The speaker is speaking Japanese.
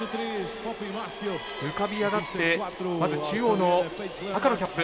浮かび上がってまず中央の赤のキャップ